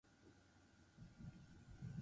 Sukaldaritzan oso aintzat hartua da.